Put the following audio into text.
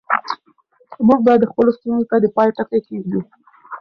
موږ باید خپلو ستونزو ته د پای ټکی کېږدو.